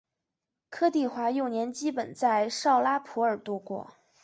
柯棣华幼年基本在绍拉普尔度过。